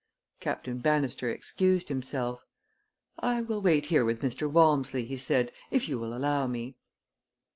Captain Bannister excused himself. "I will wait here with Mr. Walmsley," he said, "if you will allow me."